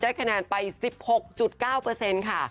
ได้คะแนนไป๑๖๙เปอร์เซ็นต์ค่ะ